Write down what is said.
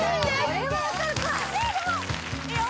これは分かるかいいよ